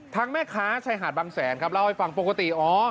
แม่ค้าชายหาดบางแสนครับเล่าให้ฟังปกติอ๋อ